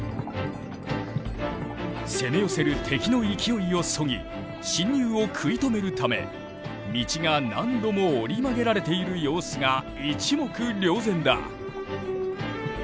攻め寄せる敵の勢いをそぎ侵入を食い止めるため道が何度も折り曲げられている様子が一目瞭然だ。